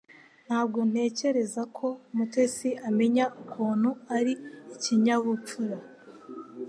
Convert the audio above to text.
Ntabwo ntekereza ko Mutesi amenya ukuntu ari ikinyabupfura